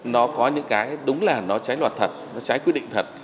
nó có những cái đúng là nó trái loạt thật nó trái quyết định thật